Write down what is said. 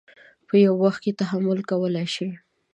په یوه وخت کې تحمل کولی شي.